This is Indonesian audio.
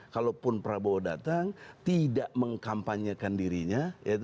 kalaupun prabowo datang tidak mengkampanyekan dirinya